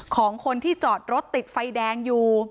ของคนที่จอดรถติดไฟแดงอยู่